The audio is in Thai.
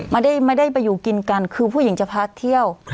ไม่ได้ไปอยู่กินกันคือผู้หญิงจะพาเที่ยว